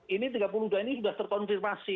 ini tiga puluh dua ini sudah terkonfirmasi